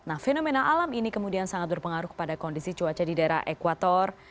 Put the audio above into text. nah fenomena alam ini kemudian sangat berpengaruh kepada kondisi cuaca di daerah ekwator